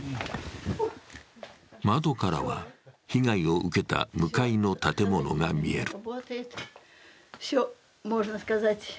窓からは被害を受けた向かいの建物が見える。